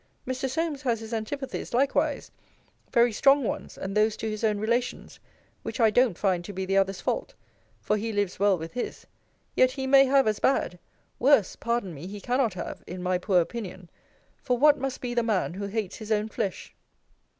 Mr. Solmes has his antipathies, likewise; very strong ones, and those to his own relations; which I don't find to be the other's fault; for he lives well with his yet he may have as bad: worse, pardon me, he cannot have, in my poor opinion: for what must be the man, who hates his own flesh?